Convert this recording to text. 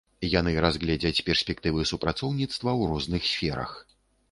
Яны разгледзяць перспектывы супрацоўніцтва ў розных сферах.